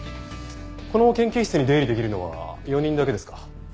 この研究室に出入りできるのは４人だけですか？